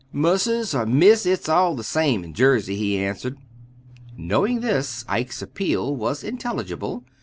"Mussus or Miss, it's all the same in Jersey," he answered. Knowing this, Ike's appeal was intelligible.